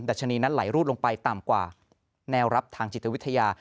ชนีนั้นไหลรูดลงไปต่ำกว่าแนวรับทางจิตวิทยา